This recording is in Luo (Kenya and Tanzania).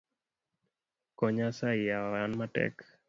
Konya asayi yawa, an matek.